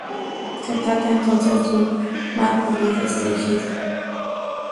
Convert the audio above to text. Se trata entonces de un marco muy restringido.